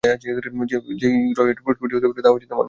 যেই গ্রহে প্রাণ প্রস্ফুটিত হতে পারত তা এমন নির্জন কেন?